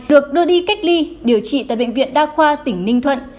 được đưa đi cách ly điều trị tại bệnh viện đa khoa tỉnh ninh thuận